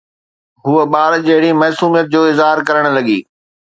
هوءَ ٻار جهڙي معصوميت جو اظهار ڪرڻ لڳي